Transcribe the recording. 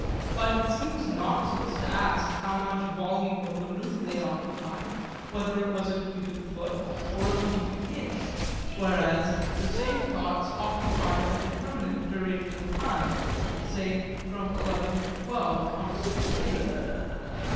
But it seems nonsense to ask how much volume of the room they occupied, whether it was a cubic foot or a cubic inch; whereas the same thoughts occupy a determinate duration of time, say, from eleven to twelve on a certain date.